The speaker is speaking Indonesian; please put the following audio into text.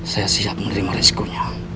saya siap menerima riskonya